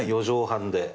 ４畳半で。